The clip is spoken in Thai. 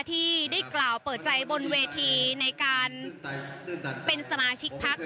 ที่ได้กล่าวเปิดใจบนเวทีในการเป็นสมาชิกพัก